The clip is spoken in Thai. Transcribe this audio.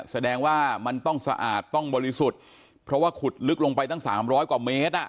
แสดงว่ามันต้องสะอาดต้องบริสุทธิ์เพราะว่าขุดลึกลงไปตั้ง๓๐๐กว่าเมตรอ่ะ